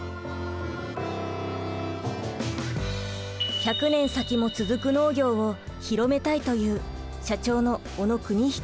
１００年先も続く農業を広めたいという社長の小野邦彦さん。